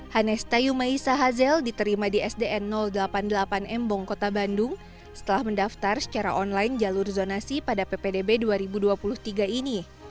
hanesta yumaisa hazel diterima di sdn delapan puluh delapan m bong kota bandung setelah mendaftar secara online jalur zonasi pada ppdb dua ribu dua puluh tiga ini